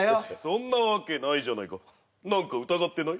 そんなわけないじゃないか何か疑ってない？